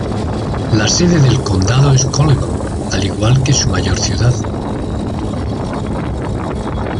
La sede del condado es Coleman, al igual que su mayor ciudad.